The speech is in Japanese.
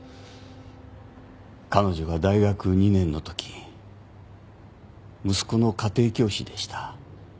彼女が大学２年の時息子の家庭教師でした。